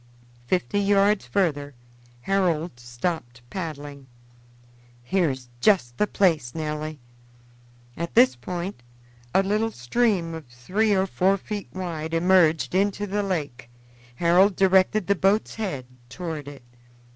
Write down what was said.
Fifty yards further Harold stopped paddling. "Here is just the place, Nelly." At this point a little stream of three or four feet wide emerged into the lake; Harold directed the boat's head toward it.